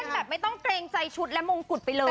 แบบไม่ต้องเกรงใจชุดและมงกุฎไปเลย